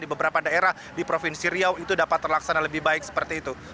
di beberapa daerah di provinsi riau itu dapat terlaksana lebih baik seperti itu